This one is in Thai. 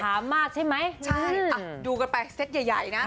สามารถใช่ไหมใช่ดูกันไปเซ็ตใหญ่นะ